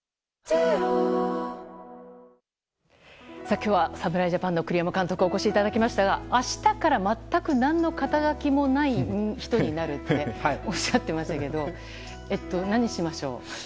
今日は侍ジャパンの栗山監督にお越しいただきましたが明日から全く何の肩書もない人になるっておっしゃってましたけど何しましょう？